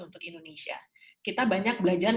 untuk indonesia kita banyak belajar